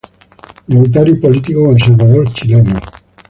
Militar y político conservador chileno.